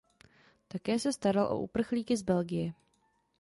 Také se staral o uprchlíky z Belgie.